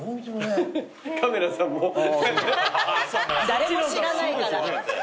誰も知らないから。